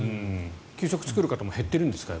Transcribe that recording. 給食を作る方も減っているんですか？